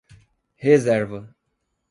Reserva